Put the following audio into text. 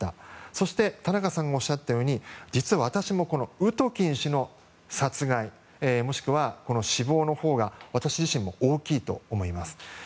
そして、田中さんがおっしゃったように実は私もウトキン氏の殺害もしくは死亡のほうが私自身も大きいと思います。